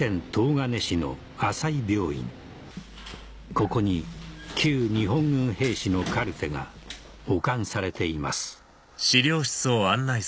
ここに日本軍兵士のカルテが保管されています